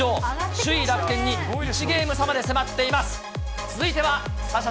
首位楽天に１ゲーム差まで迫っています。